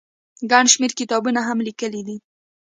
ګڼ شمېر کتابونه هم ليکلي دي